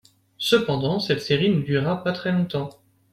Cependant cette série ne dura pas très longtemps.